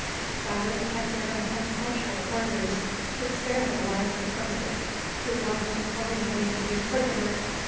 Cyrus had given especial orders to spare the life of Croesus, who was accordingly made prisoner.